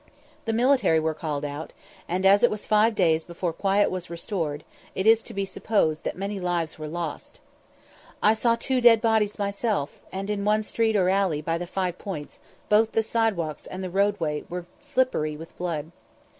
The military were called out, and, as it was five days before quiet was restored, it is to be supposed that many lives were lost. I saw two dead bodies myself; and in one street or alley by the Five Points, both the side walks and the roadway were slippery with blood.